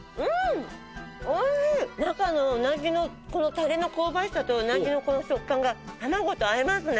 中のうなぎのこのタレの香ばしさとうなぎのこの食感が卵と合いますね！